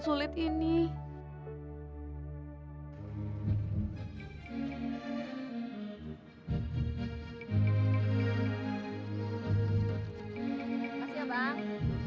terima kasih ya bang